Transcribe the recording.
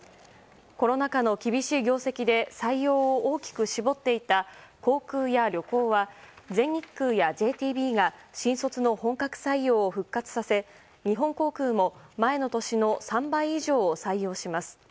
コロナ禍の厳しい業績で採用を大きく絞っていた航空や旅行は、全日空やＪＴＢが新卒の本格採用を復活させ日本航空も前の年の３倍以上採用します。